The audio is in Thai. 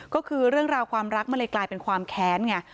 ก็คือเรื่องราวความรักมันเลยกลายเป็นความแค้นไง